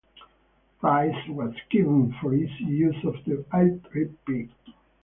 Praise was given for easy use of the app.